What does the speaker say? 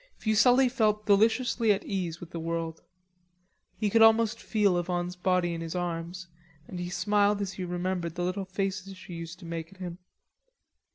Fuselli felt deliciously at ease with the world. He could almost feel Yvonne's body in his arms and he smiled as he remembered the little faces she used to make at him.